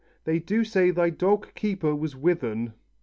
They do say thy dog Keeper was with un."